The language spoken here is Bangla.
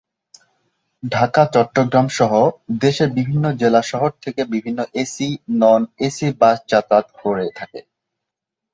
ঢাকা, চট্টগ্রাম সহ দেশের বিভিন্ন জেলা শহর থেকে বিভিন্ন এসি/নন-এসি বাস যাতায়াত করে থাকে।